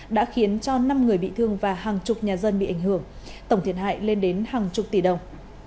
đã khiến cho năm người bị thương và hàng chục nhà dân bị ảnh hưởng tổng thiệt hại lên đến hàng chục tỷ đồng